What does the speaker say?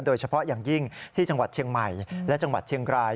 โดยเฉพาะอย่างยิ่งที่จังหวัดเชียงใหม่และจังหวัดเชียงราย